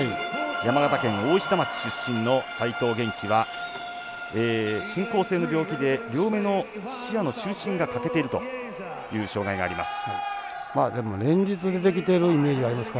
山形県大石田町出身の齋藤元希は進行性の病気で両目の視野の中心が欠けているという障がいがあります。